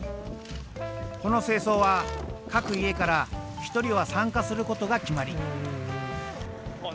この清掃は各家から１人は参加することが決まり。